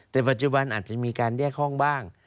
แต่ปัจจุบันอาจจะมีการแยกห้องบ้าง